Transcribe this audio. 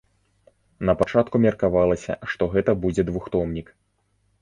Напачатку меркавалася, што гэта будзе двухтомнік.